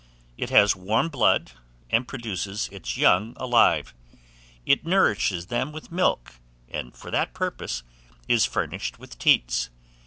It has warm blood, and produces its young alive; it nourishes them with milk, and, for that purpose, is furnished with teats.